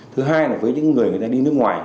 thứ hai là với những người đi nước ngoài